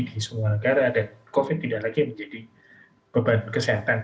di semua negara dan covid tidak lagi menjadi beban kesehatan